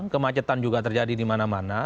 kemacetan juga terjadi dimana mana